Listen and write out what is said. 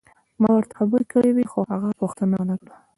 ما ورته خبرې کړې وې خو هغه پوښتنه ونه کړه.